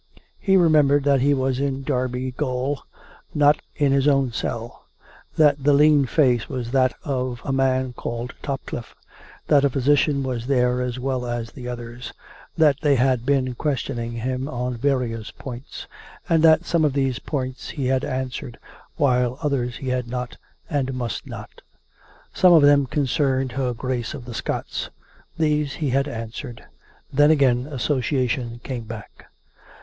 He remembered that he was in Derby gaol — not in his own cell ; that the lean face was of a man called Topcliffe; that a physician was there as well as the others ; that they had been questioning him on various points, and that some of these points he had answered, while others he had not, and must not. Some of them con cerned her Grace of the Scots. ... These he had answered. Then, again, association came back.